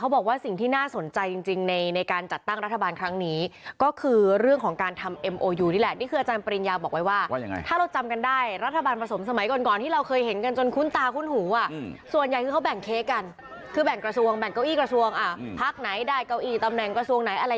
แบ่งเก้าอี้กระทรวงอ่ะอืมพักไหนได้เก้าอี้ตำแหน่งกระทรวงไหนอะไร